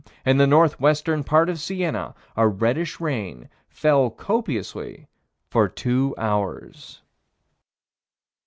in the northwestern part of Siena, a reddish rain fell copiously for two hours.